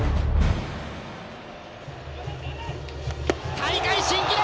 大会新記録！